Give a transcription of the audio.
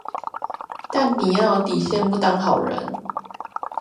但你要有底線不當好人